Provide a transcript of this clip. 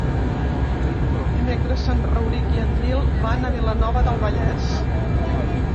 Dimecres en Rauric i en Nil van a Vilanova del Vallès.